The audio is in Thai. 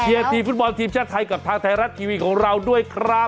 ทีมฟุตบอลทีมชาติไทยกับทางไทยรัฐทีวีของเราด้วยครับ